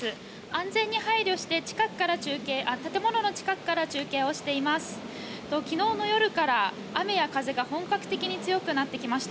安全に配慮して建物の近くから中継をしています。